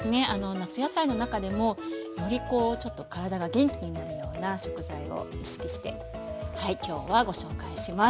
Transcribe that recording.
夏野菜の中でもよりこうちょっと体が元気になるような食材を意識して今日はご紹介します。